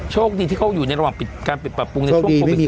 โชคดีที่เขาอยู่ในระหว่างปิดการปิดปรับปรุงในช่วงโควิด๑๙